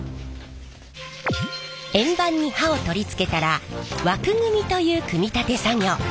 円盤に刃を取り付けたら枠組みという組み立て作業。